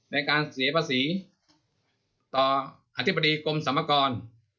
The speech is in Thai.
ในการเสียภาษีต่ออธิบดีกรมสรรพากร